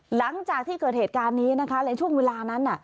หลังจากที่เกิดเหตุการณ์นี้นะคะในช่วงเวลานั้น